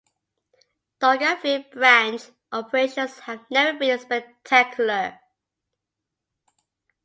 Dargaville Branch operations have never been spectacular.